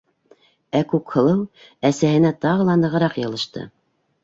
Ә Күкһылыу әсәһенә тағы ла нығыраҡ йылышты: